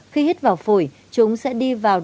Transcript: khi hít vào phổi chúng sẽ đi vào